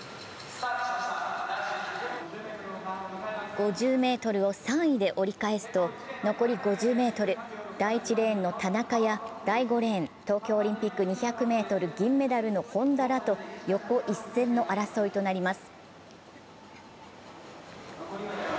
５０ｍを３位で折り返すと残り５０ｍ、第１レーンの田中や第５レーン、東京オリンピック銀メダルの本多らと横一線の争いとなります。